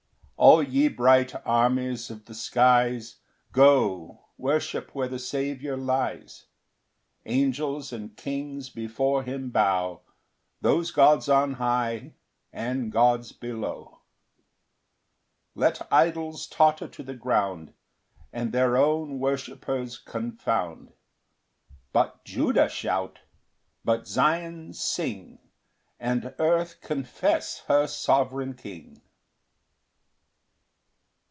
2 All ye bright armies of the skies, Go, worship where the Saviour lies: Angels and kings before him bow, Those gods on high, and gods below. 3 Let idols totter to the ground, And their own worshippers confound; But Judah shout, but Zion sing, And earth confess her sovereign King.